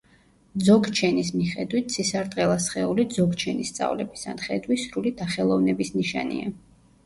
ძოგჩენის მიხედვით, ცისარტყელა სხეული ძოგჩენის სწავლების ან ხედვის სრული დახელოვნების ნიშანია.